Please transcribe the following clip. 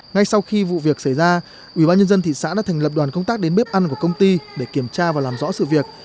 ngay sau khi vụ việc xảy ra ubnd thị xã đã thành lập đoàn công tác đến bếp ăn của công ty để kiểm tra và làm rõ sự việc